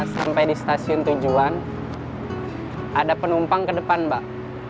sampai di stasiun tujuan ada penumpang ke depan mbak